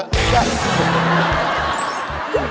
อุ๊ยใช่